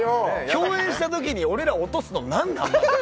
共演した時に俺ら落とすの何なん？